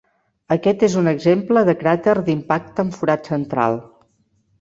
Aquest és un exemple de cràter d'impacte amb forat central.